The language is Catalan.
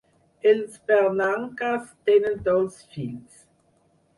Els Bernankes tenen dos fills.